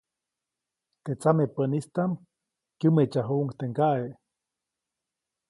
Teʼ tsamepäʼnistaʼm kyämeʼtsajuʼuŋ teʼ ŋgaʼe.